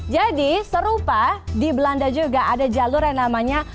jadi serupa di belanda juga ada jalur yang namanya